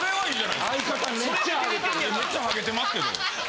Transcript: いやめっちゃハゲてますけど。